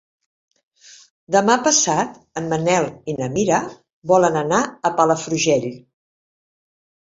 Demà passat en Manel i na Mira volen anar a Palafrugell.